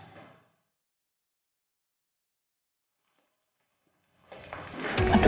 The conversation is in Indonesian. ibu elsa bangun